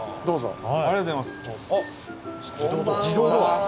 どうぞ。